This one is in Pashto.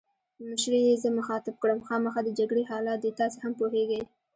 مشرې یې زه مخاطب کړم: خامخا د جګړې حالات دي، تاسي هم پوهېږئ.